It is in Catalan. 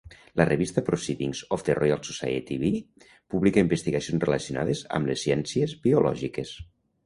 La revista "Proceedings of the Royal Society B" publica investigacions relacionades amb les ciències biològiques.